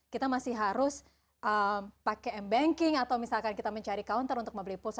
kita masih harus pakai m banking atau misalkan kita mencari counter untuk membeli pulsa